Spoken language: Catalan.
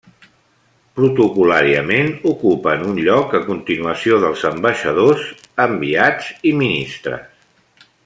Protocol·làriament ocupen un lloc a continuació dels ambaixadors, enviats i ministres.